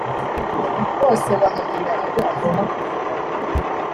bose bamubwira ibyo agomba kuvuga.